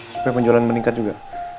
supaya penjualan meningkat juga